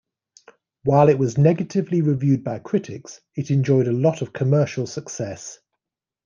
While it was negatively reviewed by critics it enjoyed a lot of commercial success.